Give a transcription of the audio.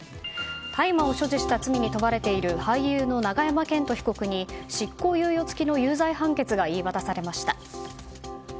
大麻を所持した罪に問われている俳優の永山絢斗被告に執行猶予付きの有罪判決が言い渡されました。